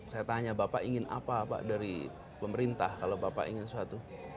saya tanya bapak ingin apa pak dari pemerintah kalau bapak ingin sesuatu